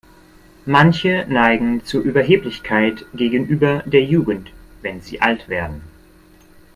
Manche neigen zu Überheblichkeit gegenüber der Jugend, wenn sie alt werden.